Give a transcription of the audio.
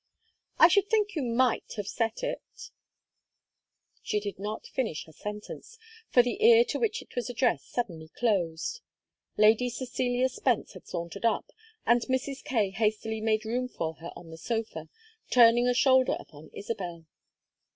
"I should think you might have set it " She did not finish her sentence, for the ear to which it was addressed suddenly closed. Lady Cecilia Spence had sauntered up, and Mrs. Kaye hastily made room for her on the sofa, turning a shoulder upon Isabel.